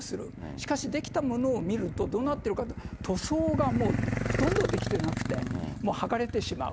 しかし、出来たものを見ると、どうなってるかというと、塗装がもう、ほとんどできてなくて、もう剥がれてしまう。